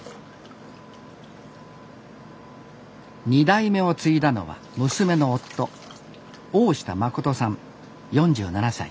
２代目を継いだのは娘の夫大下誠さん４７歳。